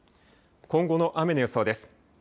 今後の雨の予想です。